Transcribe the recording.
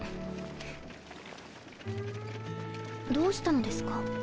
どうしたのですか？